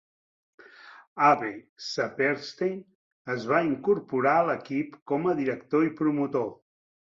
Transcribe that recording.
Abe Saperstein es va incorporar a l'equip com a director i promotor.